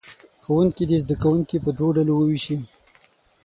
ښوونکي دې زه کوونکي په دوو ډلو ووېشي.